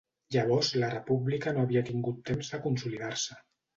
Llavors la República no havia tingut temps de consolidar-se.